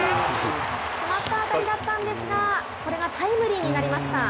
詰まった当たりだったんですがこれがタイムリーになりました。